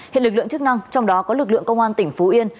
hiện lực lượng chức năng trong đó có lực lượng công an tỉnh phú yên